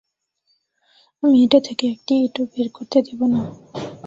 আমি এটা থেকে একটি ইটও বের করতে দিব না।